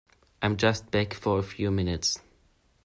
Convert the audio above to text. I'm just back for a few minutes.